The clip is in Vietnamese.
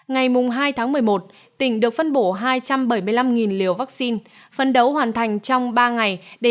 ngày hai tháng một mươi một tỉnh được phân bổ hai trăm bảy mươi năm liều vaccine phân đấu hoàn thành trong ba ngày để